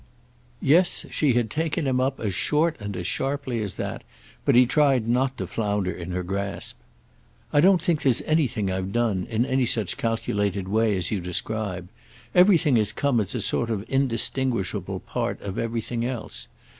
Yes, she had taken him up as short and as sharply as that, but he tried not to flounder in her grasp. "I don't think there's anything I've done in any such calculated way as you describe. Everything has come as a sort of indistinguishable part of everything else.